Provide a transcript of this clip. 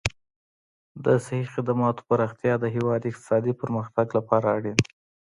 د صحي خدماتو پراختیا د هېواد اقتصادي پرمختګ لپاره اړین دي.